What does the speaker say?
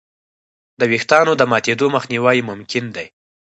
د وېښتیانو د ماتېدو مخنیوی ممکن دی.